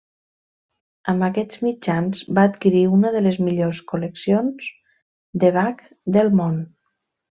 Amb aquests mitjans, va adquirir una de les millors col·leccions de Bach del món.